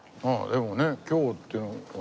でもね凶っていうのは。